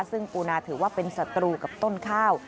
ซึ่งปูนาถือว่าเป็นศัตรูกับต้นข้าว